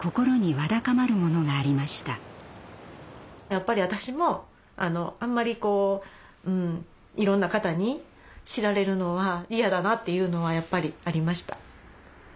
やっぱり私もあんまりこううんいろんな方に知られるのは嫌だなっていうのはやっぱりありました。